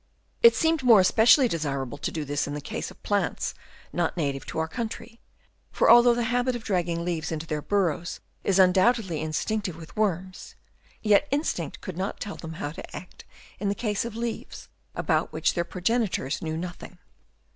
It seemed more espe cially desirable to do this in the case of plants not natives to our country ; for although the habit of dragging leaves into their burrows is undoubtedly instinctive with worms, yet instinct could not tell them how to act in the case of leaves about which their pro genitors knew nothing.